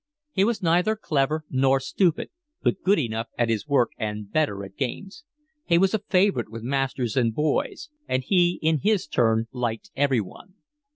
He was neither clever nor stupid, but good enough at his work and better at games. He was a favourite with masters and boys, and he in his turn liked everyone.